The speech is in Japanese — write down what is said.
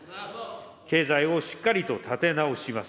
経済をしっかりと立て直します。